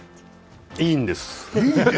いいんです。